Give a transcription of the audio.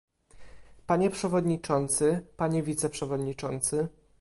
Panie przewodniczący, panie wiceprzewodniczący